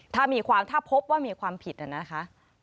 ถ้าพบว่ามีความผิดอะนะคะ